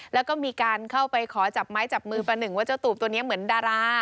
แล้วก็มีการเข้าไปขอจับไม้จับมือประหนึ่งว่าเจ้าตูบตัวนี้เหมือนดารา